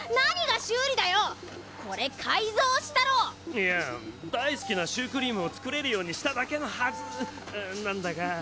いやぁだいすきなシュークリームをつくれるようにしただけのはずなんだが。